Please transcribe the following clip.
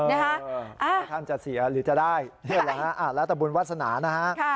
เออคุณท่านจะเสียหรือจะได้เรียบร้อยฮะรัฐบุญวัฒนานะฮะค่ะ